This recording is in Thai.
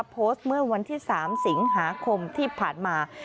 โพสต์เมื่อวันที่๓สิงหาคมที่ผ่านมา